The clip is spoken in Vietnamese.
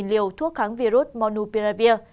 một trăm linh liều thuốc kháng virus monopiravir